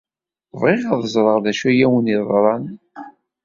Bɣiɣ ad ẓreɣ d acu ay awen-yeḍran...